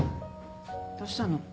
どうしたの？